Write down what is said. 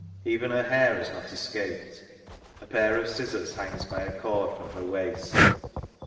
Even her hair has not escaped. A pair of scissors hangs by a cord from her waist.